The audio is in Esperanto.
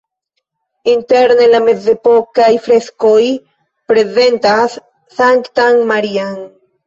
Interne la mezepokaj freskoj prezentas Sanktan Marian.